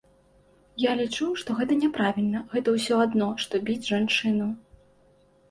Я лічу, што гэта няправільна, гэта ўсё адно, што біць жанчыну.